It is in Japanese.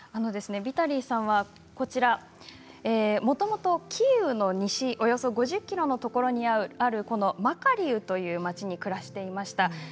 ヴィタリーさんはもともとキーウの西およそ５０ｋｍのところにあるマカリウという町で暮らしていました。